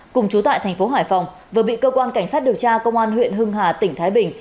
cùng chú tại thành phố hải phòng vừa bị cơ quan cảnh sát điều tra công an huyện hưng hà tỉnh thái bình